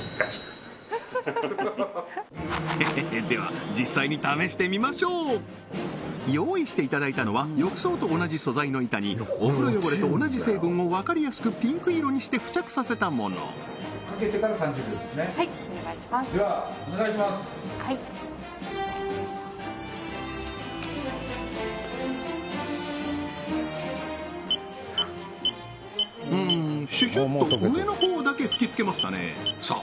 ヘヘヘでは実際に用意していただいたのは浴槽と同じ素材の板にお風呂汚れと同じ成分を分かりやすくピンク色にして付着させたものうんシュシュッと上の方だけ噴き付けましたねさあ